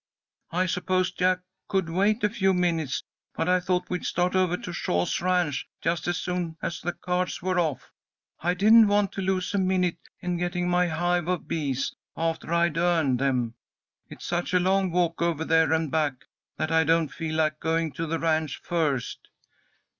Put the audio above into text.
"I suppose Jack could wait a few minutes, but I thought we'd start over to Shaw's ranch just as soon as the cards were off. I didn't want to lose a minute in getting my hive of bees, after I'd earned them. It's such a long walk over there and back, that I don't feel like going to the ranch first."